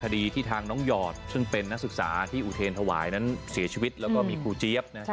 คดีที่ทางน้องหยอดซึ่งเป็นนักศึกษาที่อุเทรนถวายนั้นเสียชีวิตแล้วก็มีครูเจี๊ยบ